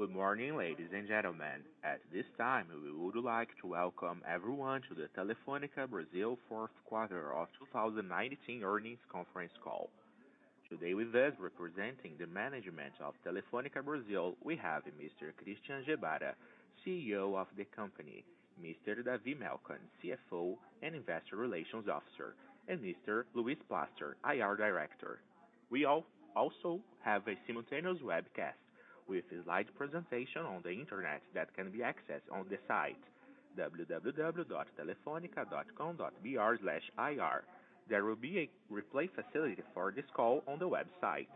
Good morning, ladies and gentlemen. At this time, we would like to welcome everyone to the Telefônica Brasil fourth quarter of 2019 earnings conference call. Today with us representing the management of Telefônica Brasil, we have Mr. Christian Gebara, CEO of the company, Mr. David Melcon, CFO and Investor Relations Officer, and Mr. Luis Plaster, IR Director. We also have a simultaneous webcast with a slide presentation on the internet that can be accessed on the site www.telefonica.com.br/ir. There will be a replay facility for this call on the website.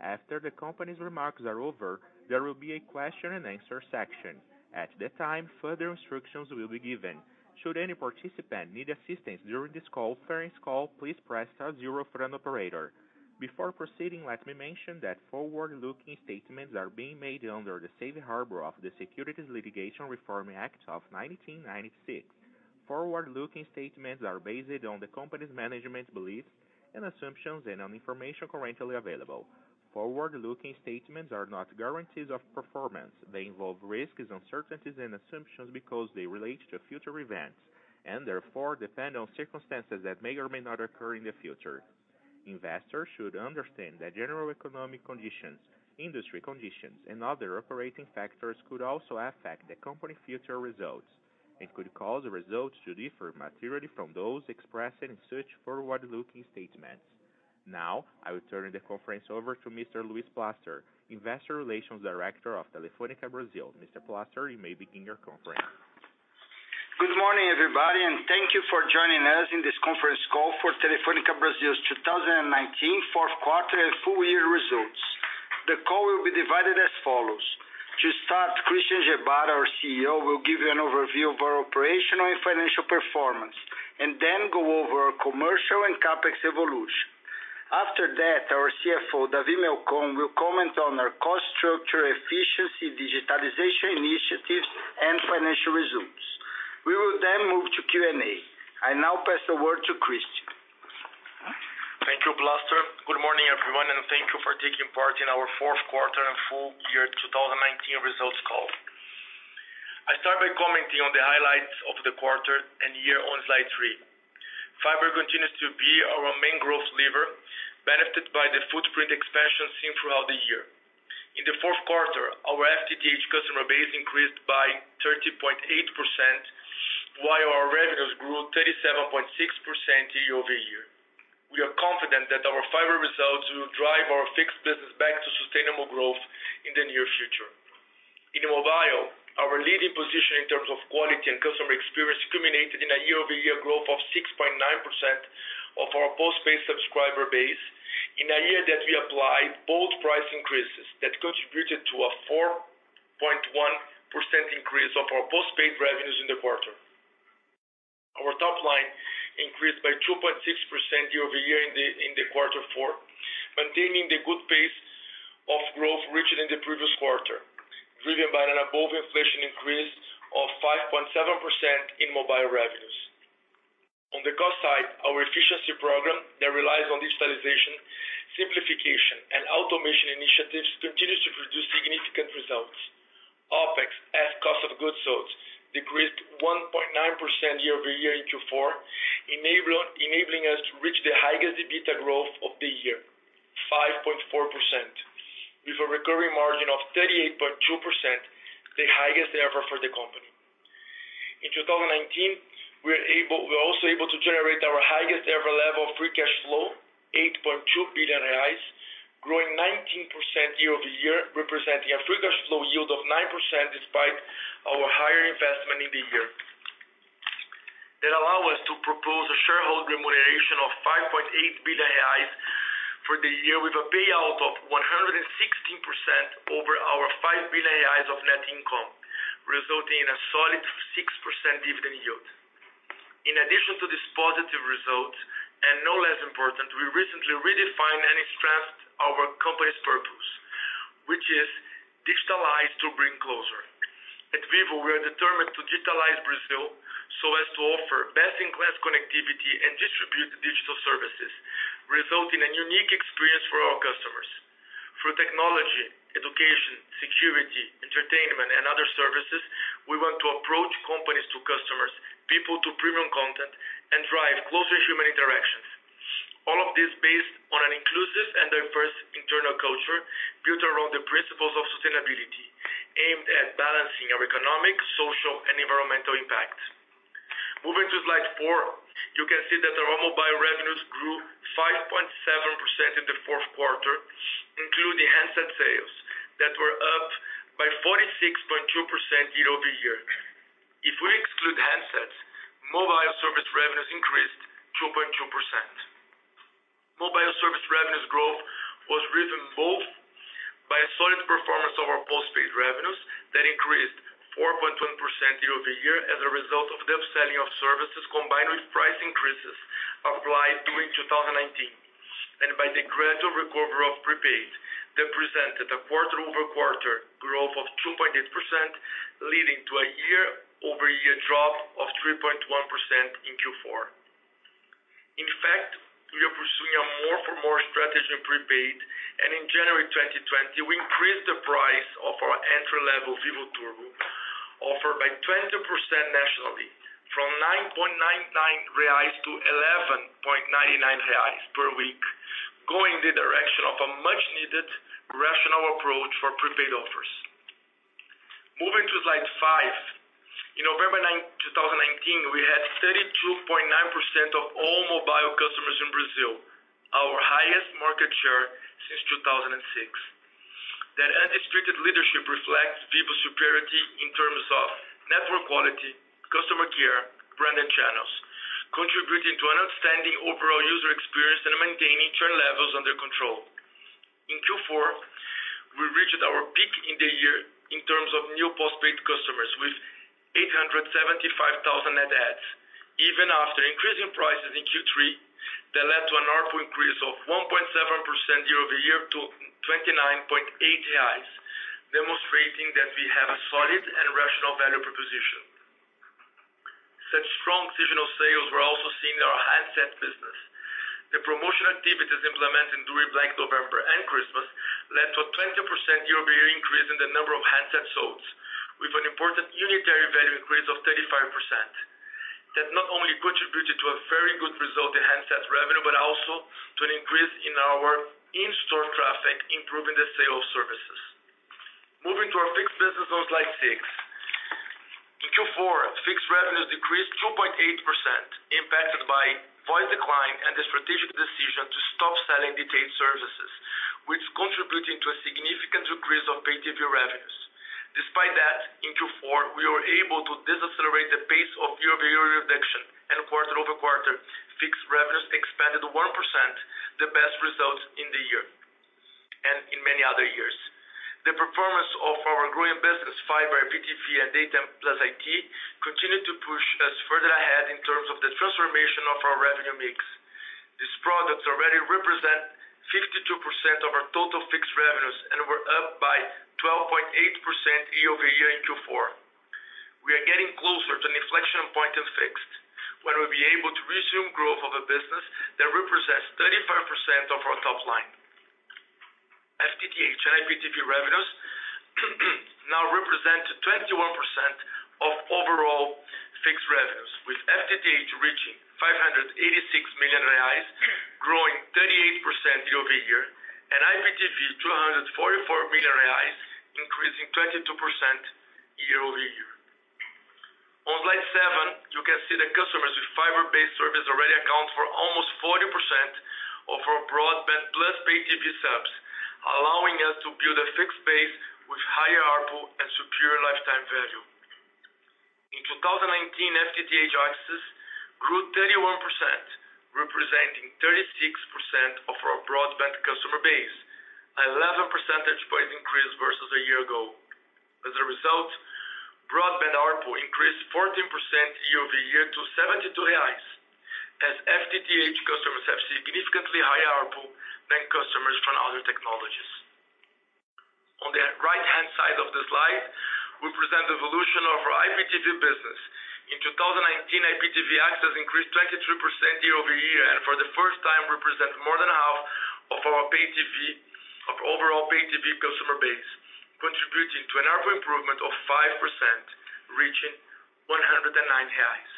After the company's remarks are over, there will be a question-and-answer section. At the time, further instructions will be given. Should any participant need assistance during this conference call, please press star zero for an operator. Before proceeding, let me mention that forward-looking statements are being made under the safe harbor of the Private Securities Litigation Reform Act of 1995. Forward-looking statements are based on the company's management's beliefs and assumptions and on information currently available. Forward-looking statements are not guarantees of performance. They involve risks, uncertainties, and assumptions because they relate to future events and therefore depend on circumstances that may or may not occur in the future. Investors should understand that general economic conditions, industry conditions, and other operating factors could also affect the company's future results and could cause results to differ materially from those expressed in such forward-looking statements. I will turn the conference over to Mr. Luis Plaster, Investor Relations Director of Telefônica Brasil. Mr. Plaster, you may begin your conference. Good morning, everybody, and thank you for joining us in this conference call for Telefônica Brasil's 2019 fourth quarter and full year results. The call will be divided as follows. To start, Christian Gebara, our CEO, will give you an overview of our operational and financial performance and then go over our commercial and CapEx evolution. After that, our CFO, David Melcon, will comment on our cost structure, efficiency, digitalization initiatives, and financial results. We will then move to Q&A. I now pass the word to Christian. Thank you, Plaster. Good morning, everyone, and thank you for taking part in our fourth quarter and full year 2019 results call. I start by commenting on the highlights of the quarter and year on slide three. Fiber continues to be our main growth lever, benefited by the footprint expansion seen throughout the year. In the fourth quarter, our FTTH customer base increased by 30.8%, while our revenues grew 37.6% year-over-year. We are confident that our fiber results will drive our fixed business back to sustainable growth in the near future. In mobile, our leading position in terms of quality and customer experience culminated in a year-over-year growth of 6.9% of our postpaid subscriber base in a year that we applied bold price increases that contributed to a 4.1% increase of our postpaid revenues in the quarter. Our top line increased by 2.6% year-over-year in the quarter four, maintaining the good pace of growth reached in the previous quarter, driven by an above-inflation increase of 5.7% in mobile revenues. On the cost side, our efficiency program that relies on digitalization, simplification, and automation initiatives continues to produce significant results. OpEx, as cost of goods sold, decreased 1.9% year-over-year in Q4, enabling us to reach the highest EBITDA growth of the year, 5.4%, with a recurring margin of 38.2%, the highest ever for the company. In 2019, we were also able to generate our highest ever level of free cash flow, 8.2 billion reais, growing 19% year-over-year, representing a free cash flow yield of 9% despite our higher investment in the year. That allow us to propose a shareholder remuneration of 5.8 billion reais for the year with a payout of 116% over our 5 billion reais of net income, resulting in a solid 6% dividend yield. In addition to this positive result, and no less important, we recently redefined and enhanced our company's purpose, which is digitalize to bring closer. At Vivo, we are determined to digitalize Brazil so as to offer best-in-class connectivity and distribute digital services, resulting in a unique experience for our customers. Through technology, education, security, entertainment, and other services, we want to approach companies to customers, people to premium content, and drive closer human interactions. All of this based on an inclusive and diverse internal culture built around the principles of sustainability, aimed at balancing our economic, social, and environmental impact. Moving to slide four, you can see that our mobile revenues grew 5.7% in the fourth quarter, including handset sales that were up by 46.2% year-over-year. If we exclude handsets, mobile service revenues increased 2.2%. Mobile service revenues growth was driven both by a solid performance of our postpaid revenues that increased 4.1% year-over-year as a result of the upselling of services combined with price increases applied during 2019, and by the gradual recovery of prepaid that presented a quarter-over-quarter growth of 2.8%, leading to a year-over-year drop of 3.1% in Q4. In fact, we are pursuing a more for more strategy in prepaid, and in January 2020, we increased the price of our entry-level Vivo Turbo offer by 20% nationally from 9.99 reais to 11.99 reais per week, going in the direction of a much needed rational approach for prepaid offers. Moving to slide five. In November 2019, we had 32.9% of all mobile customers in Brazil, our highest market share since 2006. That unrestricted leadership reflects Vivo's superiority in terms of network quality, customer care, brand, and channels, contributing to an outstanding overall user experience and maintaining churn levels under control. In Q4, we reached our peak in the year in terms of new postpaid customers with 875,000 net adds. Even after increasing prices in Q3, that led to an ARPU increase of 1.7% year-over-year to 29.8 reais, demonstrating that we have a solid and rational value proposition. Such strong seasonal sales were also seen in our handset business. The promotional activities implemented during Black November and Christmas led to a 20% year-over-year increase in the number of handsets sold, with an important unitary value increase of 35%. That not only contributed to a very good result in handsets revenue, but also to an increase in our in-store traffic, improving the sale of services. Moving to our fixed business on slide six. In Q4, fixed revenues decreased 2.8%, impacted by voice decline and the strategic decision to stop selling DTH services, which contributed to a significant decrease of IPTV revenues. Despite that, in Q4, we were able to decelerate the pace of year-over-year reduction and quarter-over-quarter fixed revenues expanded 1%, the best result in the year and in many other years. The performance of our growing business, fiber, IPTV, and Data + IT, continued to push us further ahead in terms of the transformation of our revenue mix. These products already represent 52% of our total fixed revenues and were up by 12.8% year-over-year in Q4. We are getting closer to an inflection point in fixed, where we'll be able to resume growth of a business that represents 35% of our top line. FTTH and IPTV revenues now represent 21% of overall fixed revenues, with FTTH reaching 586 million reais, growing 38% year-over-year, and IPTV 244 million reais, increasing 22% year-over-year. On slide seven, you can see the customers with fiber-based service already account for almost 40% of our broadband-plus pay TV subs, allowing us to build a fixed base with higher ARPU and superior lifetime value. In 2019, FTTH access grew 31%, representing 36% of our broadband customer base, a 11 percentage point increase versus a year ago. As a result, broadband ARPU increased 14% year-over-year to 72 reais, as FTTH customers have significantly higher ARPU than customers from other technologies. On the right-hand side of the slide, we present the evolution of our IPTV business. In 2019, IPTV access increased 23% year-over-year, and for the first time represent more than half of our overall pay TV customer base, contributing to an ARPU improvement of 5%, reaching 109 reais.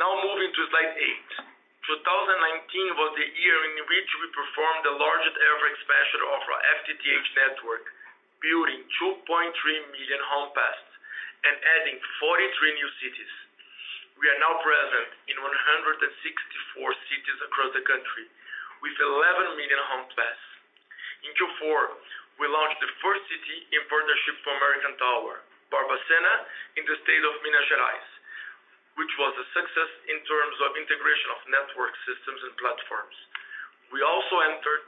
Now moving to slide 8. 2019 was the year in which we performed the largest ever expansion of our FTTH network, building 2.3 million home passes and adding 43 new cities. We are now present in 164 cities across the country, with 11 million home passes. In Q4, we launched the first city in partnership with American Tower, Barbacena, in the state of Minas Gerais, which was a success in terms of integration of network systems and platforms. We also entered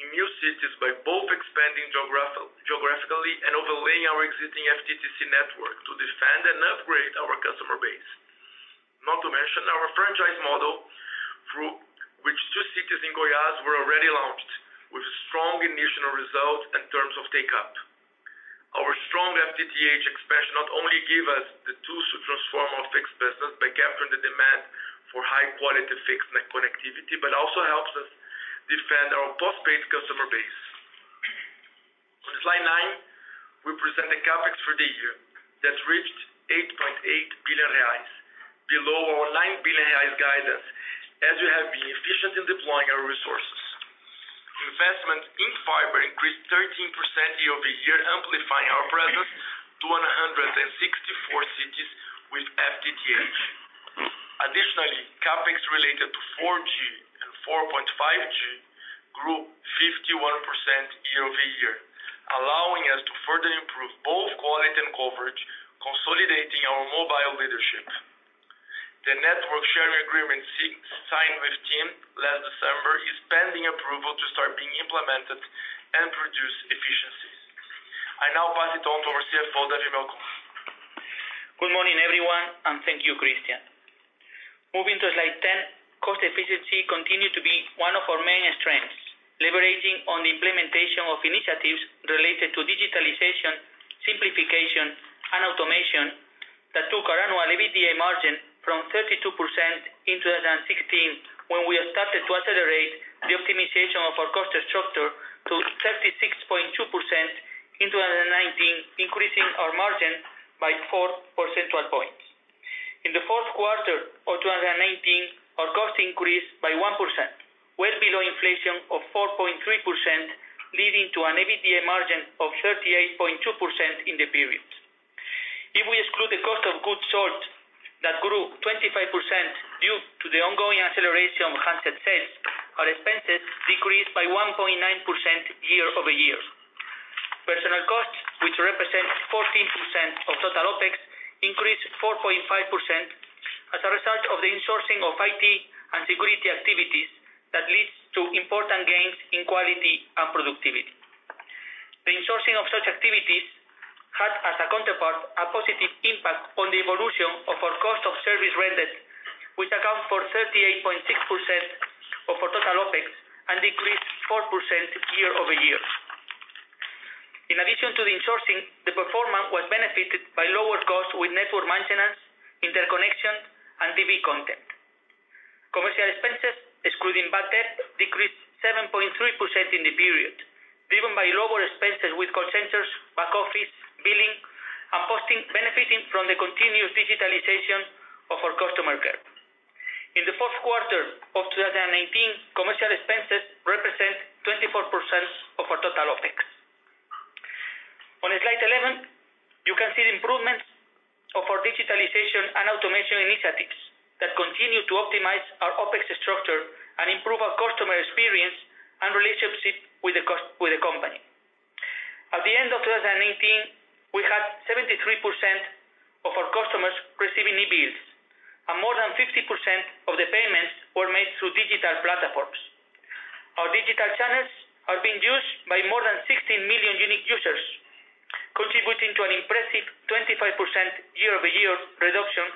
new cities by both expanding geographically and overlaying our existing FTTC network to defend and upgrade our customer base. Not to mention our franchise model, through which two cities in Goiás were already launched with strong initial results in terms of take-up. Our strong FTTH expansion not only give us the tools to transform our fixed business by capturing the demand for high-quality fixed net connectivity, but also helps us defend our postpaid customer base. On slide nine, we present the CapEx for the year that reached 8.8 billion reais, below our 9 billion reais guidance, as we have been efficient in deploying our resources. Investment in fiber increased 13% year-over-year, amplifying our presence to 164 cities with FTTH. Additionally, CapEx related to 4G and 4.5G grew 51% year-over-year, allowing us to further improve both quality and coverage, consolidating our mobile leadership. The network sharing agreement signed with TIM last December is pending approval to start being implemented and produce efficiencies. I now pass it on to our CFO, David Melcon. Good morning, everyone, and thank you, Christian. Moving to slide 10. Cost efficiency continued to be one of our main strengths, leveraging on the implementation of initiatives related to digitalization, simplification, and automation. That took our annual EBITDA margin from 32% in 2016, when we started to accelerate the optimization of our cost structure to 36.2% in 2019, increasing our margin by four percentile points. In the fourth quarter of 2019, our cost increased by 1%, well below inflation of 4.3%, leading to an EBITDA margin of 38.2% in the period. If we exclude the cost of goods sold that grew 25% due to the ongoing acceleration of handset sales, our expenses decreased by 1.9% year-over-year. Personnel costs, which represent 14% of total OpEx, increased 4.5% as a result of the insourcing of IT and security activities that leads to important gains in quality and productivity. The insourcing of such activities had, as a counterpart, a positive impact on the evolution of our cost of service rendered, which accounts for 38.6% of our total OpEx and decreased 4% year-over-year. In addition to the insourcing, the performance was benefited by lower costs with network maintenance, interconnection, and TV content. Commercial expenses, excluding bad debt, decreased 7.3% in the period, driven by lower expenses with call centers, back office, billing, and posting, benefiting from the continuous digitalization of our customer care. In the fourth quarter of 2019, commercial expenses represent 24% of our total OpEx. On slide 11, you can see the improvements of our digitalization and automation initiatives that continue to optimize our OpEx structure and improve our customer experience and relationship with the company. At the end of 2018, we had 73% of our customers receiving e-bills, and more than 50% of the payments were made through digital platforms. Our digital channels are being used by more than 16 million unique users, contributing to an impressive 25% year-over-year reduction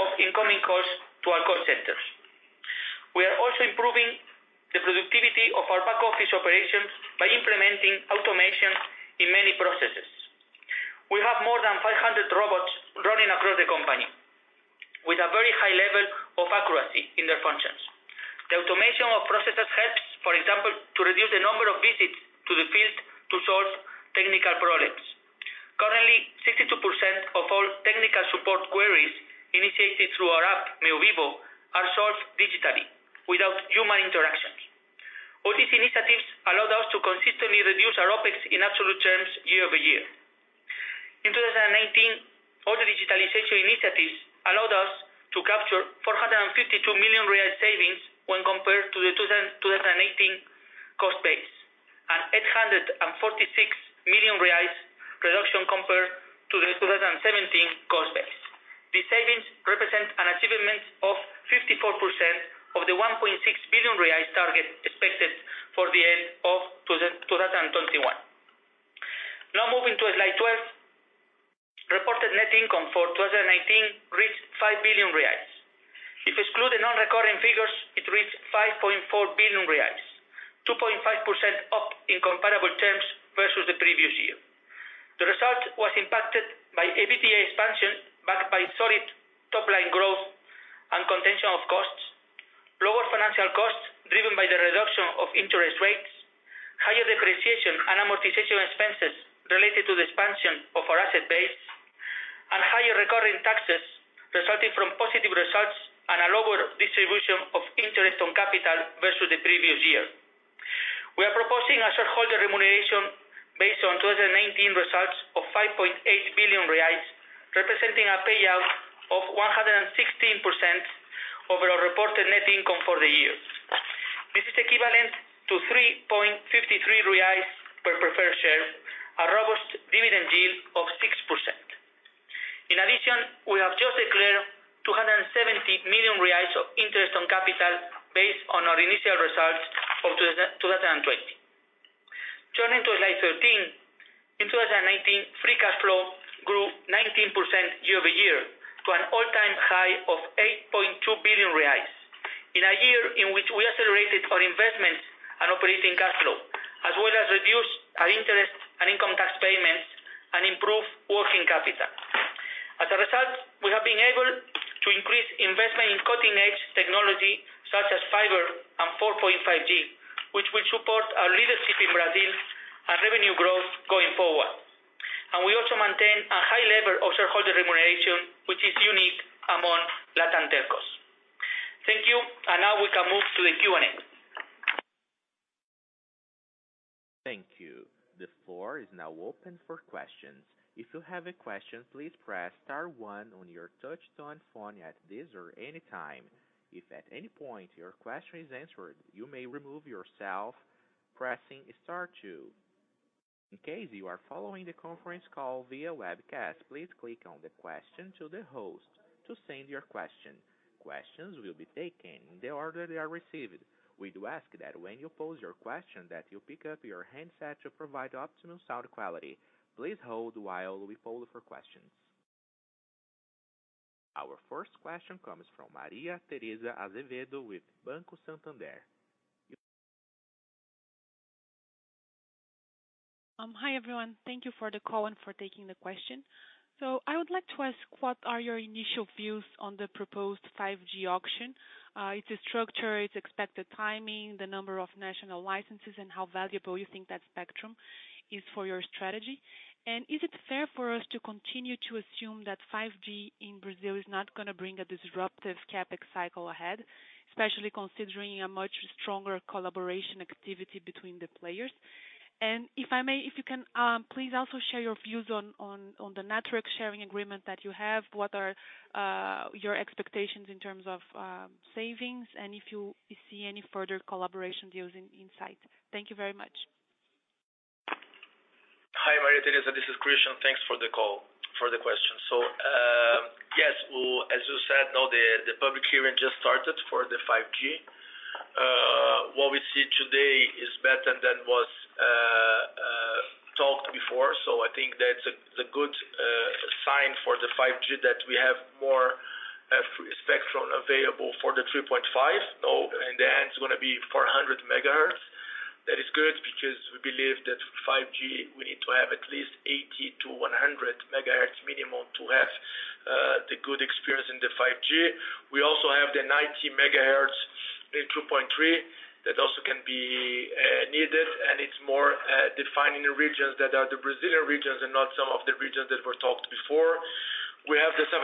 of incoming calls to our call centers. We are also improving the productivity of our back-office operations by implementing automation in many processes. We have more than 500 robots running across the company with a very high level of accuracy in their functions. The automation of processes helps, for example, to reduce the number of visits to the field to solve technical problems. Currently, 62% of all technical support queries initiated through our app, Meu Vivo, are solved digitally without human interaction. All these initiatives allowed us to consistently reduce our OpEx in absolute terms year-over-year. In 2019, all the digitalization initiatives allowed us to capture 452 million real savings when compared to the 2018 cost base, a 846 million reais reduction compared to the 2017 cost base. These savings represent an achievement of 54% of the 1.6 billion reais target expected for the end of 2021. Now moving to slide 12. Reported net income for 2019 reached 5 billion reais. If exclude the non-recurring figures, it reached 5.4 billion reais, 2.5% up in comparable terms versus the previous year. The result was impacted by EBITDA expansion backed by solid top-line growth and contention of costs, lower financial costs driven by the reduction of interest rates, higher depreciation and amortization expenses related to the expansion of our asset base, and higher recurring taxes resulting from positive results and a lower distribution of interest on capital versus the previous year. We are proposing a shareholder remuneration based on 2019 results of 5.8 billion reais, representing a payout of 116% over our reported net income for the year. This is equivalent to 3.53 reais per preferred share, a robust dividend yield of 6%. In addition, we have just declared 270 million reais of interest on capital based on our initial results for 2020. Turning to slide 13. In 2019, free cash flow grew 19% year-over-year to an all-time high of 8.2 billion reais. In a year in which we accelerated our investments and operating cash flow, as well as reduced our interest and income tax payments and improved working capital. As a result, we have been able to increase investment in cutting-edge technology such as fiber and 4.5G, which will support our leadership in Brazil and revenue growth going forward. We also maintain a high level of shareholder remuneration, which is unique among LatAm telcos. Thank you. Now we can move to the Q&A. Thank you. The floor is now open for questions. If you have a question, please press star one on your touch-tone phone at this or any time. If at any point your question is answered, you may remove yourself pressing star two. In case you are following the conference call via webcast, please click on the question to the host to send your question. Questions will be taken in the order they are received. We do ask that when you pose your question that you pick up your handset to provide optimum sound quality. Please hold while we poll for questions. Our first question comes from Maria Tereza Azevedo with Banco Santander. Hi, everyone. Thank you for the call and for taking the question. I would like to ask, what are your initial views on the proposed 5G auction? Its structure, its expected timing, the number of national licenses, and how valuable you think that spectrum is for your strategy. Is it fair for us to continue to assume that 5G in Brazil is not going to bring a disruptive CapEx cycle ahead, especially considering a much stronger collaboration activity between the players? If I may, if you can please also share your views on the network sharing agreement that you have, what are your expectations in terms of savings and if you see any further collaboration deals in sight. Thank you very much. Hi, Maria Tereza. This is Christian. Thanks for the call, for the question. Yes, as you said, now the public hearing just started for the 5G. What we see today is better than was talked before, so I think that's a good sign for the 5G that we have more spectrum available for the 3.5. In the end, it's going to be 400 MHz. That is good because we believe that 5G, we need to have at least 80 to 100 MHz minimum to have the good experience in the 5G. We also have the 90 MHz in 2.3 that also can be needed, and it's more defined in the regions that are the Brazilian regions and not some of the regions that were talked before. We have the 700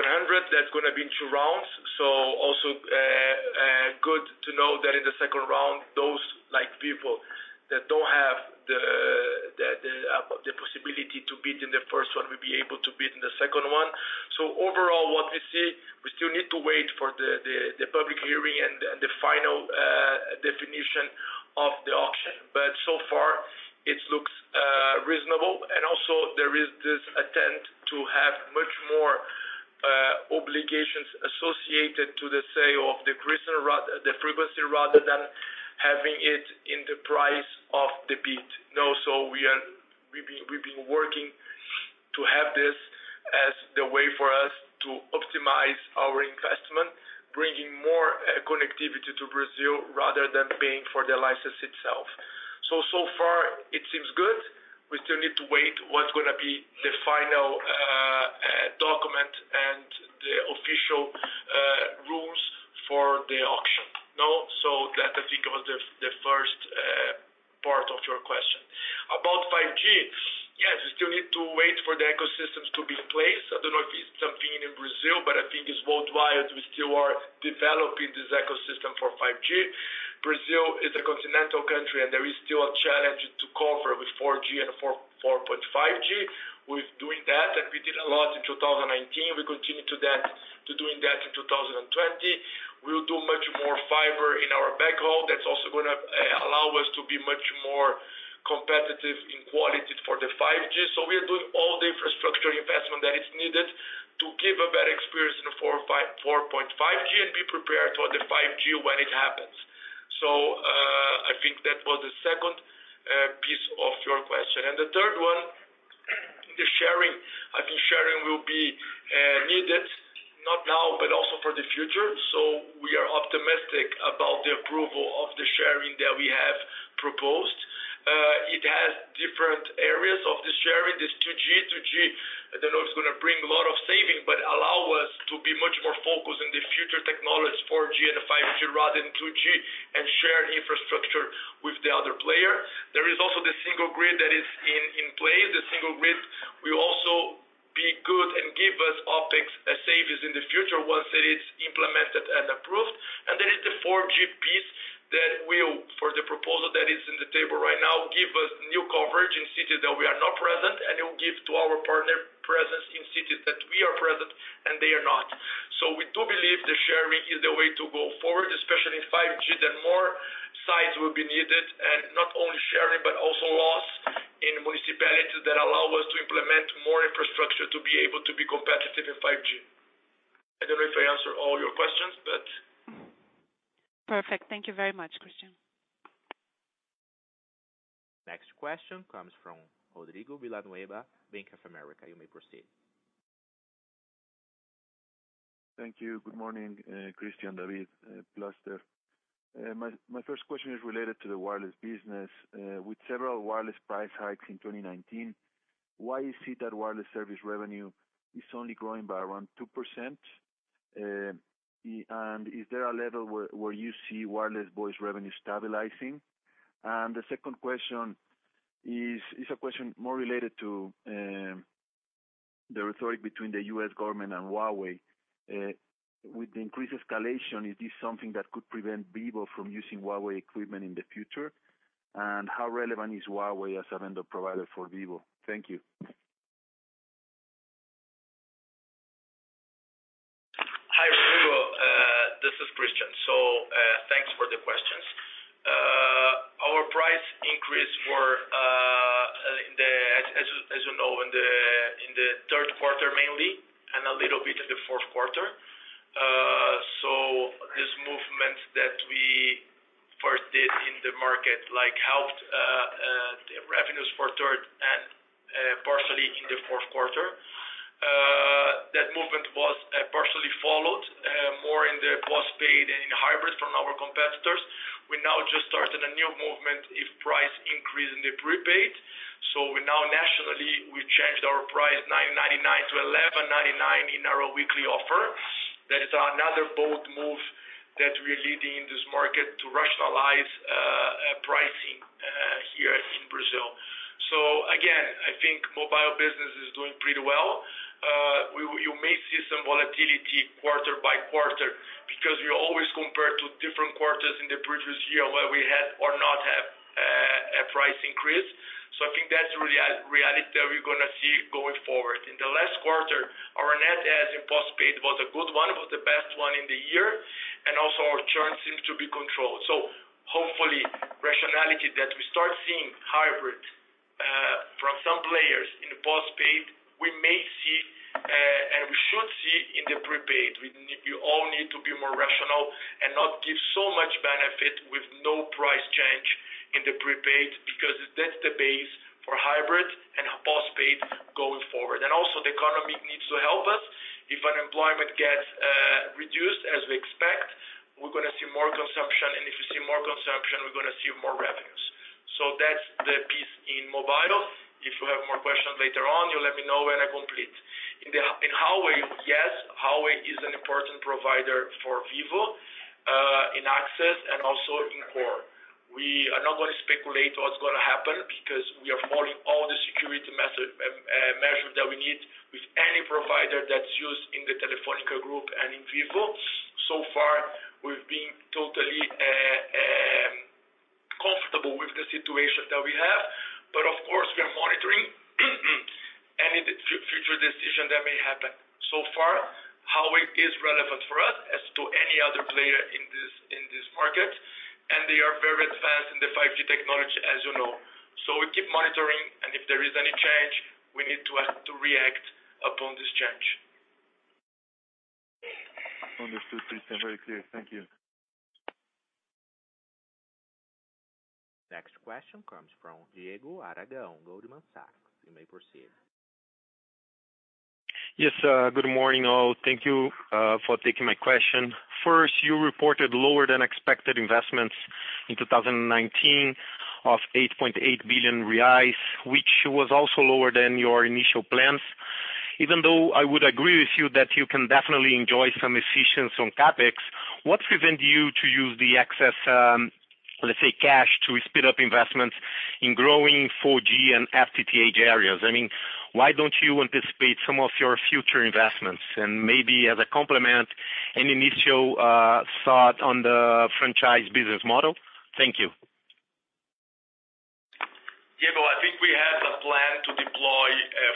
that's going to be in two rounds. Also good to know that in the second round, those people that don't have the possibility to bid in the first one will be able to bid in the second one. Overall, what we see, we still need to wait for the public hearing and the final definition of the auction. So far it looks reasonable. Also there is this attempt to have much more obligations associated to the sale of the frequency rather than having it in the price of the bid. We've been working to have this as the way for us to optimize our investment, bringing more connectivity to Brazil rather than paying for the license itself. So far it seems good. We still need to wait what's going to be the final document and the official rules for the auction. That I think was the first part of your question. About 5G. Yes, we still need to wait for the ecosystems to be in place. I don't know if it's something in Brazil, but I think it's worldwide. We still are developing this ecosystem for 5G. Brazil is a continental country and there is still a challenge to cover with 4G and 4.5G. With doing that, and we did a lot in 2019, we continue to doing that in 2020. We'll do much more fiber in our backhaul. That's also going to allow us to be much more competitive in quality for the 5G. We are doing all the infrastructure investment that is needed to give a better experience in 4.5G and be prepared for the 5G when it happens. I think that was the second piece of your question. The third one, the sharing. I think sharing will be needed, not now, but also for the future. We are optimistic about the approval of the sharing that we have proposed. It has different areas of the sharing. This 2G. 2G, I don't know if it's going to bring a lot of savings, but allow us to be much more focused on the future technologies, 4G and 5G, rather than 2G and share infrastructure with the other player. There is also the Single RAN that is in place. The Single RAN will also be good and give us OpEx savings in the future once it is implemented and approved. There is the 4G piece that will, for the proposal that is on the table right now, give us new coverage in cities that we are not present, and it will give to our partner presence in cities that we are present and they are not. We do believe that sharing is the way to go forward, especially in 5G, that more sites will be needed, and not only sharing, but also laws in municipalities that allow us to implement more infrastructure to be able to be competitive in 5G. I don't know if I answered all your questions. Perfect. Thank you very much, Christian. Next question comes from Rodrigo Villanueva, Bank of America. You may proceed. Thank you. Good morning, Christian, David, Plaster. My first question is related to the wireless business. With several wireless price hikes in 2019, why is it that wireless service revenue is only growing by around 2%? Is there a level where you see wireless voice revenue stabilizing? The second question is a question more related to the rhetoric between the U.S. government and Huawei. With the increased escalation, is this something that could prevent Vivo from using Huawei equipment in the future? How relevant is Huawei as a vendor provider for Vivo? Thank you. Hi, Rodrigo. This is Christian. Thanks for the questions. Our price increase were, as you know, in the third quarter mainly and a little bit in the fourth quarter. This movement that we first did in the market helped the revenues for third and partially in the fourth quarter. That movement was partially followed more in the postpaid and in hybrid from our competitors. We now just started a new movement with price increase in the prepaid. Now nationally, we changed our price 9.99 to 11.99 in our weekly offer. That is another bold move that we're leading in this market to rationalize pricing here in Brazil. Again, I think mobile business is doing pretty well. You may see some volatility quarter by quarter because we always compare to different quarters in the previous year where we had or not have a price increase. I think that's the reality that we're going to see going forward. In the last quarter, our net add in postpaid was a good one, was the best one in the year. Our churn seems to be controlled. Hopefully rationality that we start seeing hybrid from some players in the postpaid, we may see, and we should see in the prepaid. We all need to be more rational and not give so much benefit with no price change in the prepaid, because that's the base for hybrid and postpaid going forward. The economy needs to help us. If unemployment gets reduced as we expect, we're going to see more consumption. If you see more consumption, we're going to see more revenues. That's the piece in mobile. If you have more questions later on, you let me know and I complete. In Huawei, yes, Huawei is an important provider for Vivo, in access and also in core. We are not going to speculate what's going to happen because we are following all the security measures that we need with any provider that's used in the Telefónica group and in Vivo. So far, we've been totally comfortable with the situation that we have. Of course, we are monitoring any future decision that may happen. So far, Huawei is relevant for us as to any other player in this market, and they are very advanced in the 5G technology, as you know. We keep monitoring, and if there is any change, we need to react upon this change. Understood, Christian. Very clear. Thank you. Next question comes from Diego Aragão, Goldman Sachs. You may proceed. Yes, good morning, all. Thank you for taking my question. First, you reported lower than expected investments in 2019 of 8.8 billion reais, which was also lower than your initial plans. Even though I would agree with you that you can definitely enjoy some efficiency on CapEx, what prevent you to use the excess, let's say, cash to speed up investments in growing 4G and FTTH areas? I mean, why don't you anticipate some of your future investments? Maybe as a complement, any initial thought on the franchise business model? Thank you. Diego, I think we have a plan to deploy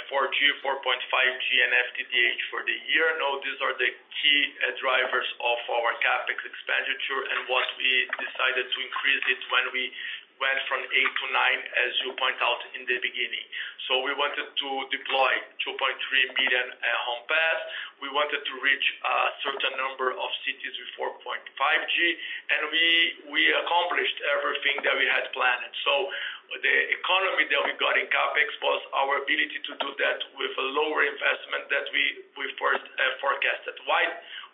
4G, 4.5G and FTTH for the year. These are the key drivers of our CapEx expenditure and what we decided to increase it when we went from eight to nine, as you point out in the beginning. We wanted to deploy 2.3 million home pass. We wanted to reach a certain number of cities with 4.5G, and we accomplished everything that we had planned. The economy that we got in CapEx was our ability to do that with a lower investment than we first forecasted. Why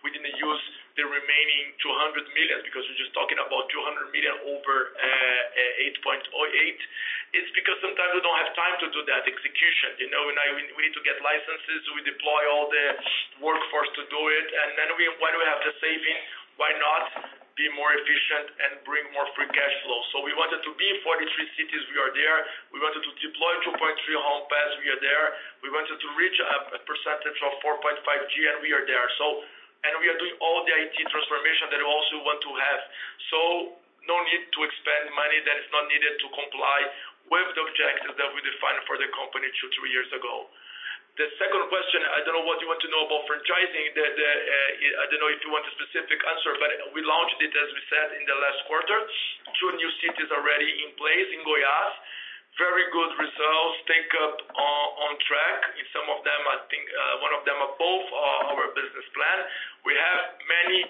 we didn't use the remaining 200 million? Because we're just talking about 200 million over 8.8. It's because sometimes we don't have time to do that execution. We need to get licenses, we deploy all the workforce to do it, and then when we have the saving, why not be more efficient and bring more free cash flow? We wanted to be in 43 cities, we are there. We wanted to deploy 2.3 home pass, we are there. We wanted to reach a percentage of 4.5G, we are there. We are doing all the IT transformation that we also want to have. No need to expend money that is not needed to comply with the objectives that we defined for the company two, three years ago. The second question, I don't know what you want to know about franchising. I don't know if you want a specific answer, but we launched it, as we said, in the last quarter. Two new cities already in place in Goiás. Very good results. Take up on track. I think one of them above our business plan. We have many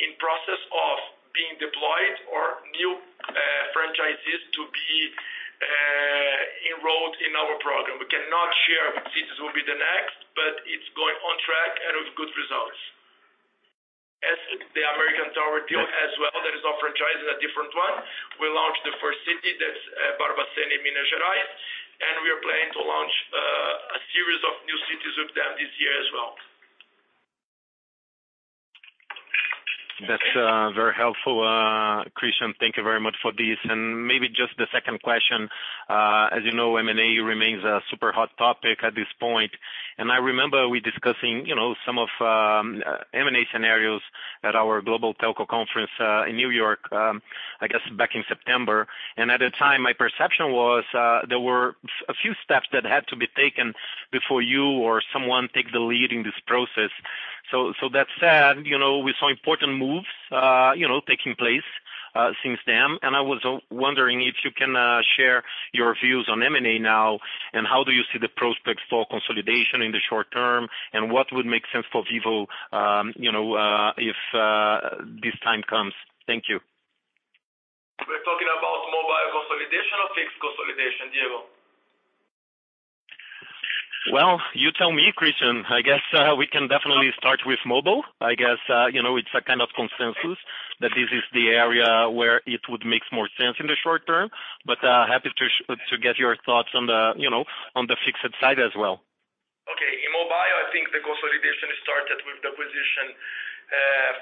in process of being deployed or new franchises to be enrolled in our program. We cannot share which cities will be the next, but it's going on track and with good results. As the American Tower deal as well, that is our franchise in a different one. We launched the first city, that's Barbacena in Minas Gerais, and we are planning to launch a series of new cities with them this year as well. That's very helpful, Christian. Thank you very much for this. Maybe just the second question. As you know, M&A remains a super hot topic at this point. I remember we discussing some of M&A scenarios at our global telco conference in New York, I guess back in September. At the time, my perception was there were a few steps that had to be taken before you or someone take the lead in this process. That said, we saw important moves taking place since then. I was wondering if you can share your views on M&A now, and how do you see the prospects for consolidation in the short term, and what would make sense for Vivo if this time comes? Thank you. We're talking about mobile consolidation or tech consolidation, Diego. Well, you tell me, Christian. I guess we can definitely start with mobile. I guess it's a kind of consensus that this is the area where it would make more sense in the short term, but happy to get your thoughts on the fixed side as well. Okay. In mobile, I think the consolidation started with the position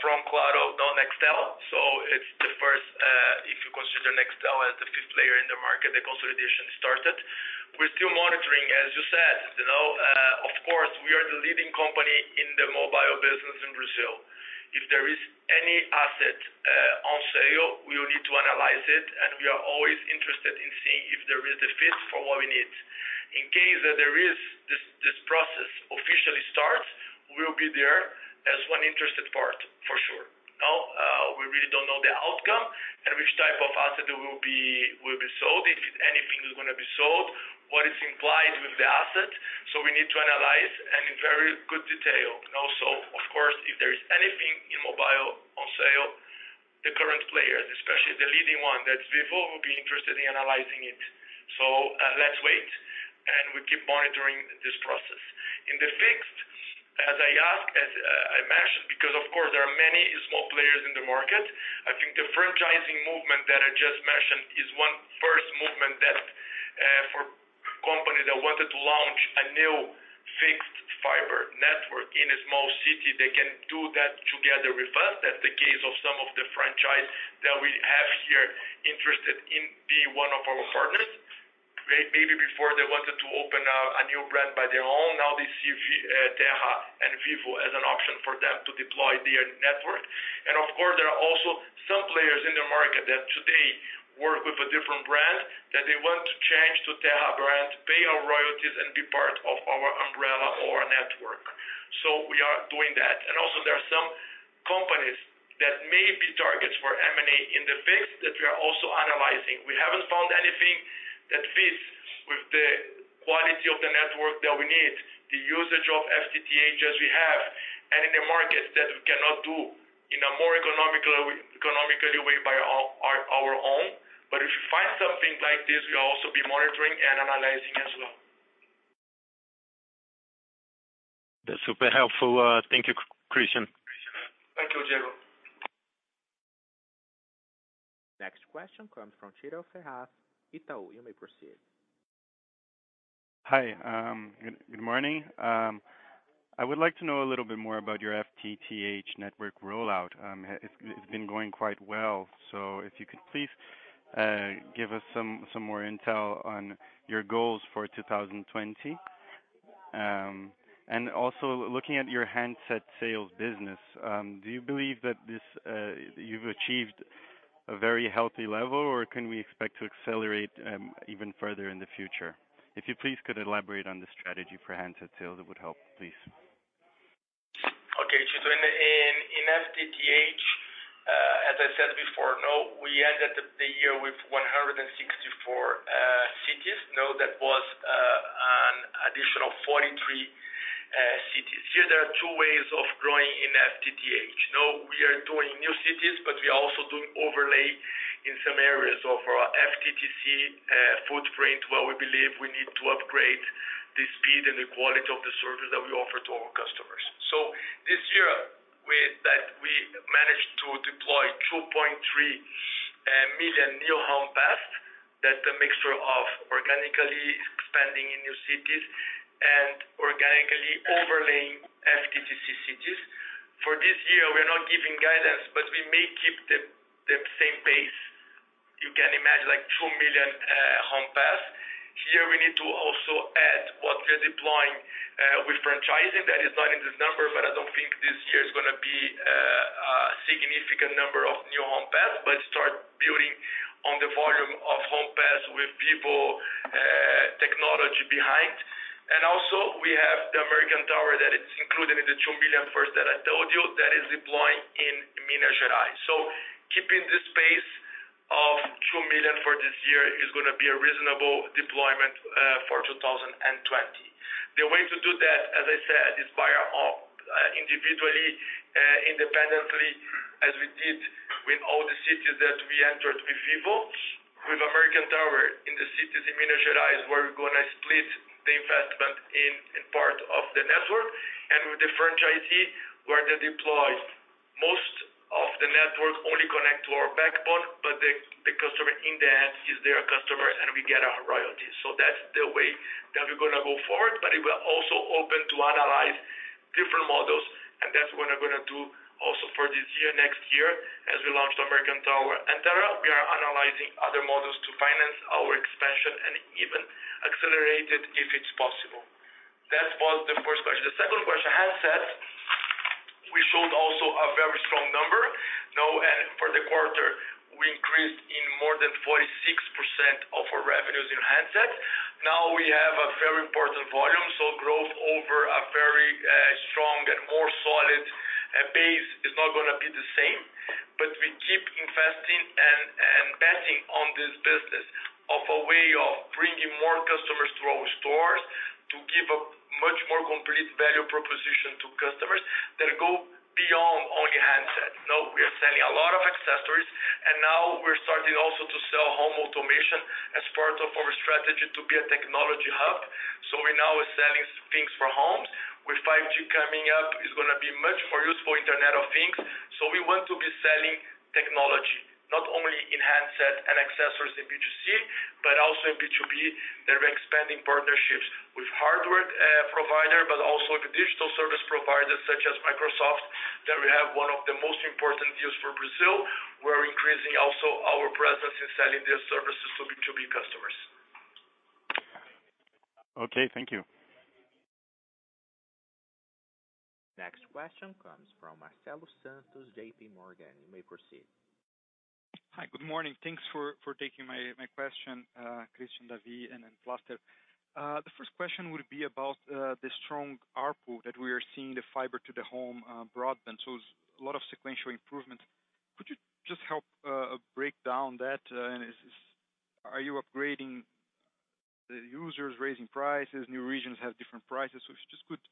from Claro on Nextel. It's the first, if you consider Nextel as the fifth player in the market, the consolidation started. We're still monitoring, as you said. Of course, we are the leading company in the mobile business in Brazil. If there is any asset on sale, we will need to analyze it, and we are always interested in seeing if there is a fit for what we need. In case that this process officially starts, we'll be there as one interested part, for sure. Now, we really don't know the outcome and which type of asset will be sold, if anything is going to be sold, what is implied with the asset. We need to analyze and in very good detail. Also, of course, if there is anything in mobile on sale, the current players, especially the leading one that's Vivo, will be interested in analyzing it. Let's wait, and we keep monitoring this process. In the fixed, as I mentioned, because of course there are many small players in the market. I think the franchising movement that I just mentioned is one first movement that for company that wanted to launch a new fixed fiber network in a small city, they can do that together with us. That's the case of some of the franchise that we have here interested in being one of our partners. Maybe before they wanted to open a new brand by their own. Now they see Terra and Vivo as an option for them to deploy their network. Of course, there are also some players in the market that today work with a different brand that they want to change to Terra brand, pay our royalties, and be part of our umbrella or network. We are doing that. Also there are some companies that may be targets for M&A in the fixed that we are also analyzing. We haven't found anything that fits with the quality of the network that we need, the usage of FTTH as we have, and in the markets that we cannot do in a more economical way by our own. If you find something like this, we'll also be monitoring and analyzing as well. That's super helpful. Thank you, Christian. Thank you, Diego. Next question comes from Tito Ferraz, Itaú. You may proceed. Hi. Good morning. I would like to know a little bit more about your FTTH network rollout. It's been going quite well. If you could please give us some more intel on your goals for 2020. Also looking at your handset sales business, do you believe that you've achieved a very healthy level, or can we expect to accelerate even further in the future? If you please could elaborate on the strategy for handset sales, it would help, please. Okay, Tito. In FTTH, as I said before, we ended the year with 164 cities. That was an additional 43 cities. Here there are two ways of growing in FTTH. We are doing new cities, but we are also doing overlay in some areas of our FTTC footprint where we believe we need to upgrade the speed and the quality of the service that we offer to our customers. This year, with that, we managed to deploy 2.3 million new home passed. That's a mixture of organically expanding in new cities and organically overlaying FTTC cities. For this year, we are not giving guidance, but we may keep the same pace. You can imagine, like two million home passed. Here, we need to also add what we are deploying with franchising. That is not in this number, but I don't think this year is going to be a significant number of new home passed, but start building on the volume of home passed with Vivo technology behind. Also we have the American Tower that is included in the two million first that I told you that is deploying in Minas Gerais. Keeping this pace of two million for this year is going to be a reasonable deployment for 2020. The way to do that, as I said, is by our own individually, independently, as we did with all the cities that we entered with Vivo. With American Tower in the cities in Minas Gerais, where we're going to split the investment in part of the network, and with the franchisee, we are going to deploy most of the network only connect to our backbone, but the customer in the end is their customer, and we get our royalties. That's the way that we're going to go forward. It will also open to analyze different models, and that's what we're going to do also for this year, next year, as we launch the American Tower. There, we are analyzing other models to finance our expansion and even accelerate it if it's possible. That was the first question. The second question, handsets. We showed also a very strong number. Now and for the quarter, we increased in more than 46% of our revenues in handsets. Now we have a very important volume. Growth over a very strong and more solid base is not going to be the same. We keep investing and betting on this business of a way of bringing more customers to our stores to give a much more complete value proposition to customers that go beyond only handsets. Now, we are selling a lot of accessories. Now we're starting also to sell home automation as part of our strategy to be a technology hub. We now are selling things for homes. With 5G coming up, it's going to be much more useful, Internet of Things. We want to be selling technology, not only in handsets and accessories in B2C, but also in B2B. They're expanding partnerships with hardware provider, but also with digital service providers such as Microsoft, that we have one of the most important deals for Brazil. We're increasing also our presence in selling their services to B2B customers. Okay, thank you. Next question comes from Marcelo Santos, JPMorgan. You may proceed. Hi. Good morning. Thanks for taking my question, Christian, David, and then Plaster. The first question would be about the strong ARPU that we are seeing the fiber to the home broadband. It's a lot of sequential improvements. Could you just help break down that? Are you upgrading the users, raising prices, new regions have different prices? If you just could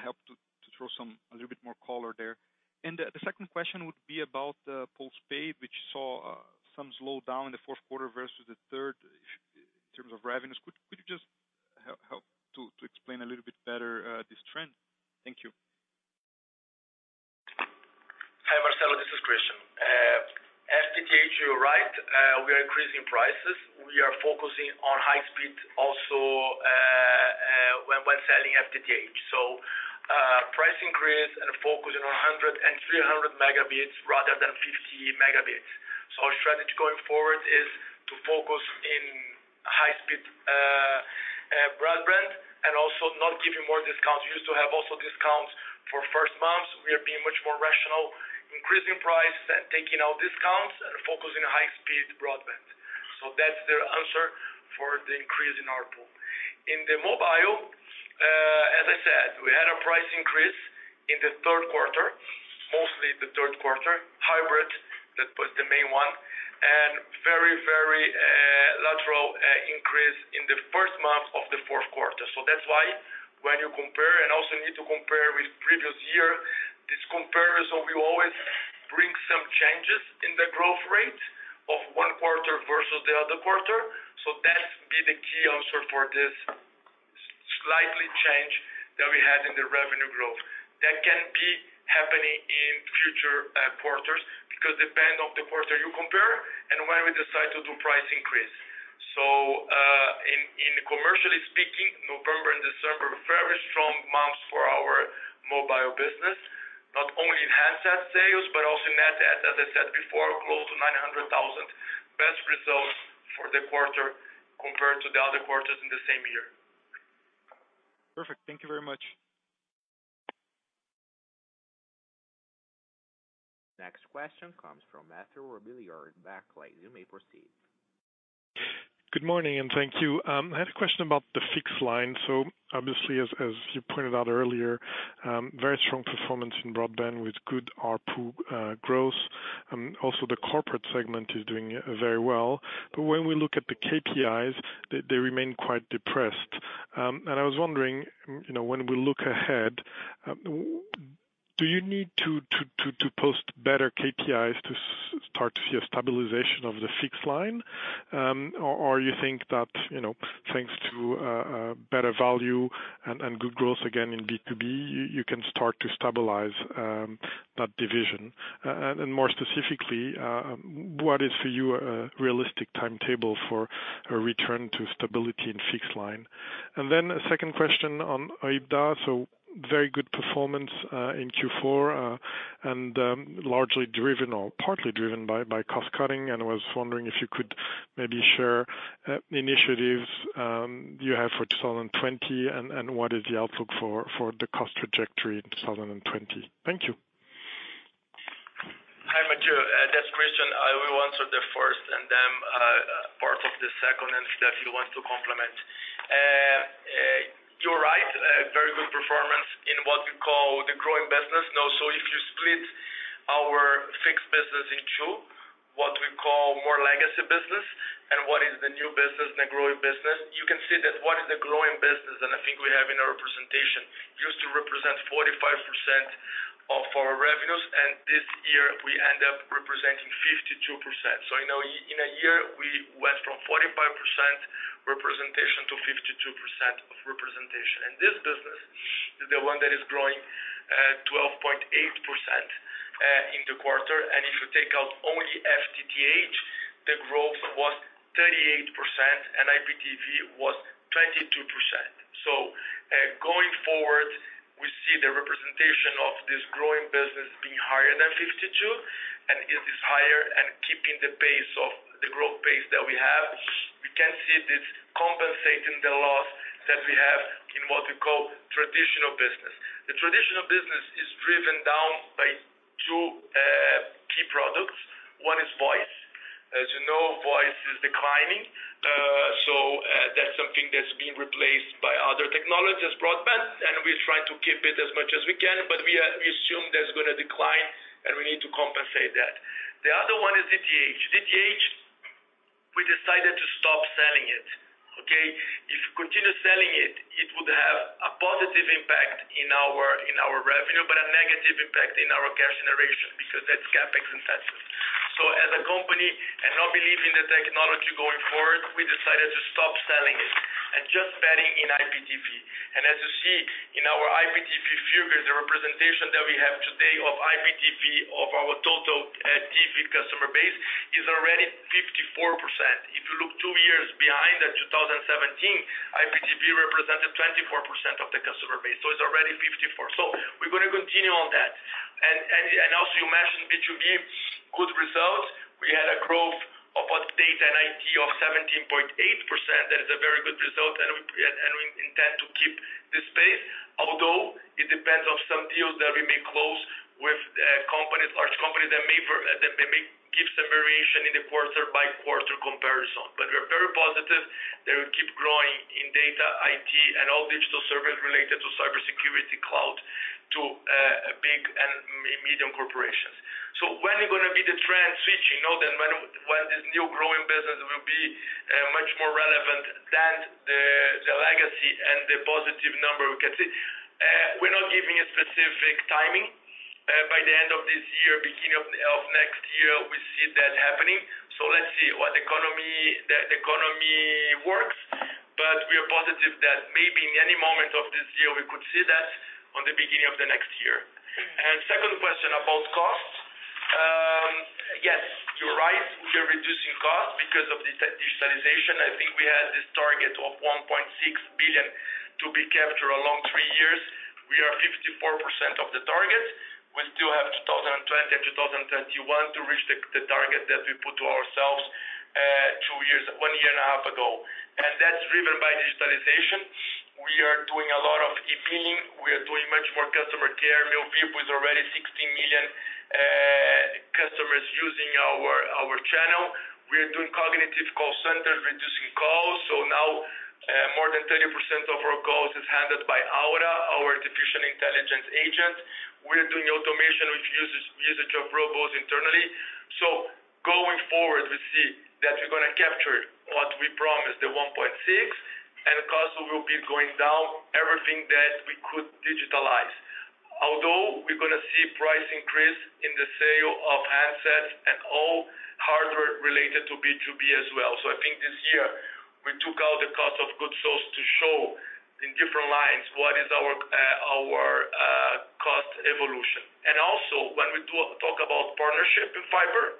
help to throw a little bit more color there. The second question would be about the postpaid, which saw some slowdown in the fourth quarter versus the third in terms of revenues. Could you just help to explain a little bit better this trend? Thank you. Hi, Marcelo. This is Christian. FTTH, you're right, we are increasing prices. We are focusing on high speed also when selling FTTH. Price increase and focusing on 100 and 300 megabits rather than 50 megabits. Our strategy going forward is to focus in high speed broadband and also not giving more discounts. We used to have also discounts for first months. We are being much more rational, increasing price and taking out discounts and focusing on high speed broadband. That's the answer for the increase in ARPU. In the mobile, as I said, we had a price increase in the third quarter, mostly the third quarter. Hybrid, that was the main one. Very lateral increase in the first month of the fourth quarter. That's why when you compare, and also need to compare with previous year, this comparison will always bring some changes in the growth rate of one quarter versus the other quarter. That's be the key answer for this slightly change that we had in the revenue growth. That can be happening in future quarters because depend on the quarter you compare and when we decide to do price increase. In commercially speaking, November and December were very strong months for our mobile business, not only in handset sales, but also net add, as I said before, close to 900,000. Best results for the quarter compared to the other quarters in the same year. Perfect. Thank you very much. Next question comes from Mathieu Robilliard, Barclays. You may proceed. Good morning, thank you. I had a question about the fixed line. Obviously, as you pointed out earlier, very strong performance in broadband with good ARPU growth. Also, the corporate segment is doing very well. When we look at the KPIs, they remain quite depressed. I was wondering, when we look ahead, do you need to post better KPIs to start to see a stabilization of the fixed line? You think that thanks to better value and good growth, again in B2B, you can start to stabilize that division? More specifically, what is for you a realistic timetable for a return to stability in fixed line? A second question on OIBDA. Very good performance in Q4 and largely driven or partly driven by cost-cutting. I was wondering if you could maybe share initiatives you have for 2020, and what is the outlook for the cost trajectory in 2020. Thank you. Hi, Mathieu. That's Christian. I will answer the first and then part of the second, and if David want to complement. You're right, very good performance in what we call the growing business now. If you split our fixed business in two, what we call more legacy business and what is the new business and the growing business, you can see that what is the growing business, and I think we have in our presentation, used to represent 45% of our revenues, and this year we end up representing 52%. In a year, we went from 45% representation to 52% of representation. This business is the one that is growing at 12.8% in the quarter. If you take out only FTTH, the growth was 38% and IPTV was 22%. Going forward, we see the representation of this growing business being higher than 52, and it is higher and keeping the growth pace that we have. We can see this compensating the loss that we have in what we call traditional business. The traditional business is driven down by two key products. One is voice. As you know, voice is declining. That's something that's being replaced by other technologies, broadband, and we try to keep it as much as we can, but we assume that's going to decline, and we need to compensate that. The other one is DTH. Okay, if you continue selling it would have a positive impact in our revenue, but a negative impact in our cash generation because that's CapEx intensive. As a company and not believing the technology going forward, we decided to stop selling it and just betting in IPTV. As you see in our IPTV figures, the representation that we have today of IPTV of our total TV customer base is already 54%. If you look two years behind at 2017, IPTV represented 24% of the customer base. It's already 54%. We're going to continue on that. Also you mentioned B2B good results. We had a growth of Data and IT of 17.8%. That is a very good result and we intend to keep this pace, although it depends on some deals that we may close with large companies that may give some variation in the quarter-by-quarter comparison. We're very positive that we'll keep growing in Data, IT, and all digital services related to cybersecurity cloud to big and medium corporations. When are going to be the trend switching, when this new growing business will be much more relevant than the legacy and the positive number we can see? We're not giving a specific timing. By the end of this year, beginning of next year, we see that happening. Let's see what economy works. We are positive that maybe in any moment of this year, we could see that on the beginning of the next year. Second question about costs. Yes, you're right. We are reducing costs because of this digitalization. I think we had this target of 1.6 billion to be captured along three years. We are 54% of the target. We still have 2020 and 2021 to reach the target that we put to ourselves one year and a half ago. That's driven by digitalization. We are doing a lot of e-billing. We are doing much more customer care. Meu Vivo is already 16 million customers using our channel. We are doing cognitive call centers, reducing calls. Now more than 30% of our calls is handled by Aura, our artificial intelligence agent. We're doing automation with usage of robots internally. Going forward, we see that we're going to capture what we promised, the 1.6, and costs will be going down everything that we could digitalize. Although we're going to see price increase in the sale of handsets and all hardware related to B2B as well. I think this year we took out the cost of goods sold to show in different lines what is our cost evolution. Also when we talk about partnership in fiber,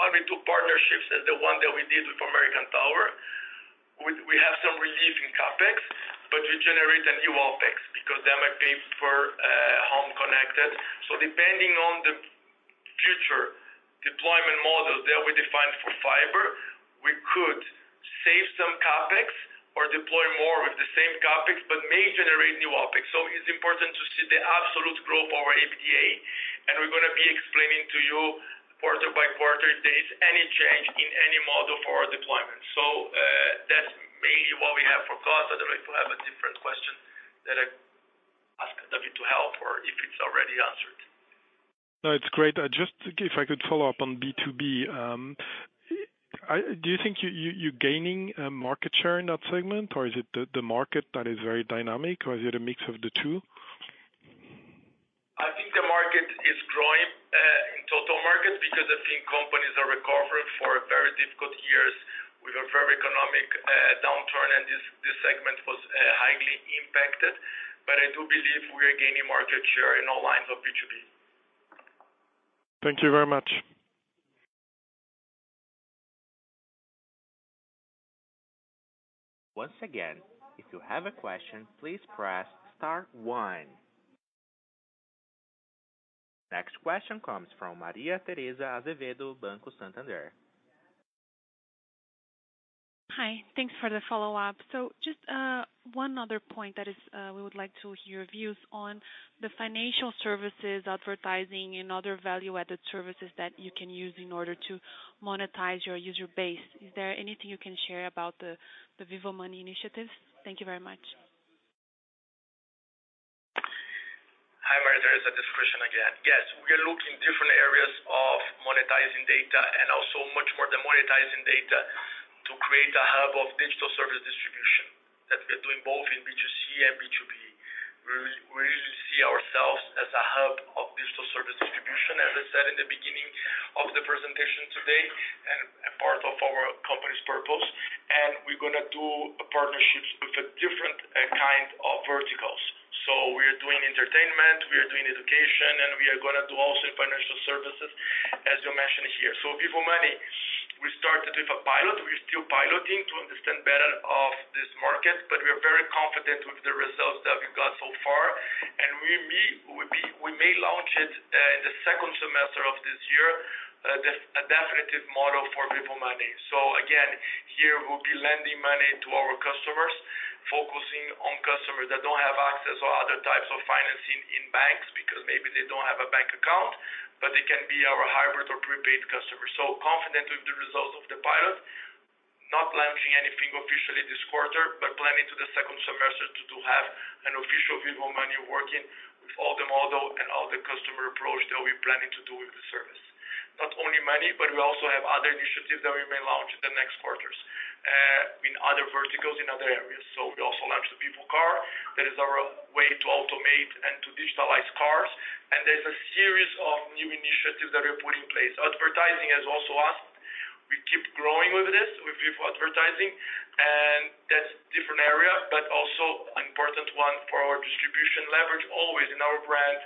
when we do partnerships as the one that we did with American Tower, we have some relief in CapEx, but we generate a new OpEx because they might pay for home connected. Depending on the future deployment model that we define for fiber, we could save some CapEx or deploy more with the same CapEx, but may generate new OpEx. It's important to see the absolute growth of our EBITDA, and we're going to be explaining to you quarter by quarter if there is any change in any model for our deployment. That's mainly what we have for costs. I don't know if you have a different question that I ask David to help or if it's already answered. It's great. Just if I could follow up on B2B. Do you think you're gaining market share in that segment, or is it the market that is very dynamic, or is it a mix of the two? I think the market is growing in total markets because I think companies are recovering for very difficult years with a very economic downturn, and this segment was highly impacted. I do believe we are gaining market share in all lines of B2B. Thank you very much. Once again, if you have a question, please press star one. Next question comes from Maria Tereza Azevedo, Banco Santander. Hi. Thanks for the follow-up. Just one other point that we would like to hear views on the financial services advertising and other value-added services that you can use in order to monetize your user base. Is there anything you can share about the Vivo Money initiative? Thank you very much. Hi, Maria Tereza. This is Christian again. Yes, we are looking different areas of monetizing data and also much more than monetizing data to create a hub of digital service distribution that we are doing both in B2C and B2B. We really see ourselves as a hub of digital service distribution, as I said in the beginning of the presentation today and part of our company's purpose. We're going to do partnerships with a different kind of verticals. We are doing entertainment, we are doing education, and we are going to do also financial services as you mentioned here. Vivo Money, we started with a pilot. We are still piloting to understand better of this market, but we are very confident with the results that we've got so far. We may launch it in the second semester of this year, a definitive model for Vivo Money. Again, here we'll be lending money to our customers, focusing on customers that don't have access or other types of financing in banks because maybe they don't have a bank account, but they can be our hybrid or prepaid customers. Confident with the results of the pilot, not launching anything officially this quarter, but planning to the second semester to have an official Vivo Money working with all the model and all the customer approach that we're planning to do with the service. Not only money, but we also have other initiatives that we may launch in the next quarters in other verticals, in other areas. We also launched the Vivo Car. That is our way to automate and to digitalize cars. There's a series of new initiatives that we're putting in place. Advertising has also asked. We keep growing with this, with Vivo Ads. That's different area, but also important one for our distribution leverage always in our brand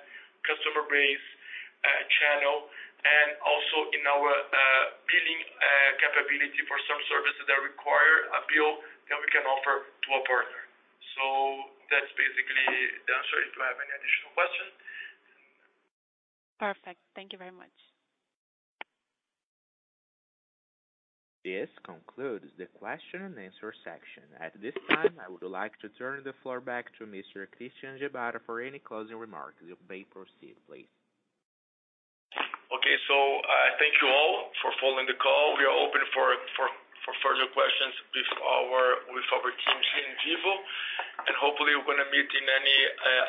customer base channel and also in our billing capability for some services that require a bill that we can offer to a partner. That's basically the answer. If you have any additional questions. Perfect. Thank you very much. This concludes the question and answer section. At this time, I would like to turn the floor back to Mr. Christian Gebara for any closing remarks. You may proceed, please. Okay. Thank you all for following the call. We are open for further questions with our team here in Vivo. Hopefully we're going to meet in any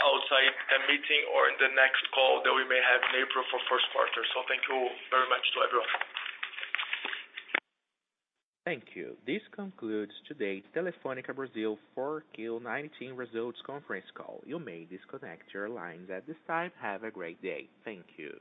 outside meeting or in the next call that we may have in April for first quarter. Thank you very much to everyone. Thank you. This concludes today's Telefônica Brasil 4Q19 results conference call. You may disconnect your lines at this time. Have a great day. Thank you.